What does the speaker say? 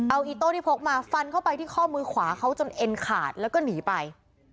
เอาอีโต้ที่พกมาฟันเข้าไปที่ข้อมือขวาเขาจนเอ็นขาดแล้วก็หนีไป